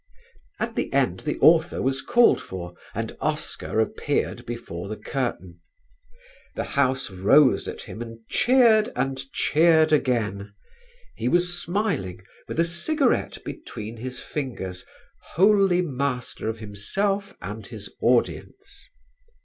At the end the author was called for, and Oscar appeared before the curtain. The house rose at him and cheered and cheered again. He was smiling, with a cigarette between his fingers, wholly master of himself and his audience.